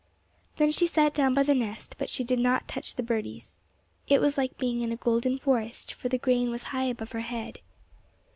Then she sat down by the nest, but she did not touch the birdies. It was like being in a golden forest, for the grain was high above her head.